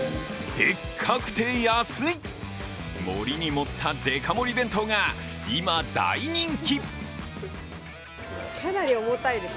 でっかくて安い、盛りに盛ったデカ盛り弁当が今、大人気。